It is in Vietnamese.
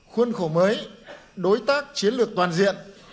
khuôn khổ mới đối tác chiến lược toàn diện